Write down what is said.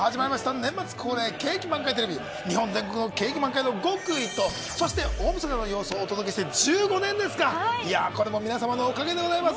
年末恒例、景気満開テレビ日本全国の景気満開の極意と大みそかの様子をお届けする１５年ですか皆さまのおかげでございます。